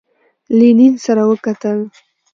لینین سره وکتل.